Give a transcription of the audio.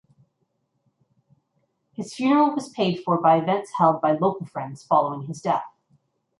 His funeral was paid for by events held by local friends following his death.